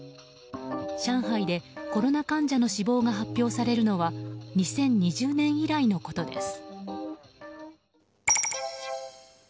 上海でコロナ患者の死亡が発表されるのは２０２０年以来のことです。